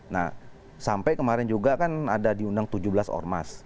nah sampai kemarin juga kan ada diundang tujuh belas ormas